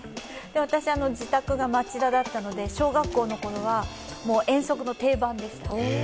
私、自宅が町田だったので、小学校のころは遠足の定番です。